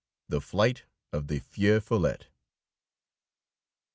THE FLIGHT OF THE FEU FOLLETTE.